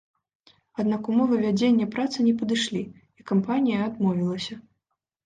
Аднак умовы вядзення працы не падышлі, і кампанія адмовілася.